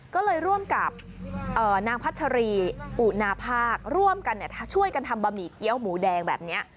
ก็เลยร่วมกับนางพัชรีอุณาภาคร่วมกันช่วยกันทำบะหมี่เกี้ยวหมูแดงแบบนี้